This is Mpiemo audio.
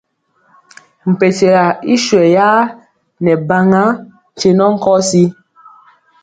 Mpekyela i swɛyaa nɛ baŋa nkye nɔ nkɔndɔ.